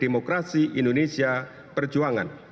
demokrasi indonesia perjuangan